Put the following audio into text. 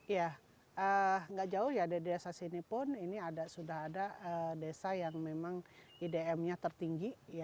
ya nggak jauh ya dari desa sini pun ini sudah ada desa yang memang idm nya tertinggi